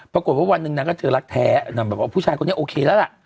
วันหนึ่งนางก็เจอรักแท้นางแบบว่าผู้ชายคนนี้โอเคแล้วล่ะ